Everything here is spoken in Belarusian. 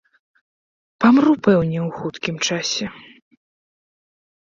Памру, пэўне, у хуткім часе.